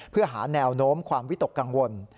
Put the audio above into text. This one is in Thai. เพื่อหาแนวโน้มความวิตกกังวล